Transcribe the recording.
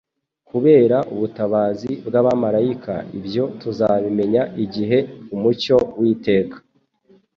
kubera ubutabazi bw'abamarayika; ibyo tuzabimenya igihe umucyo w'iteka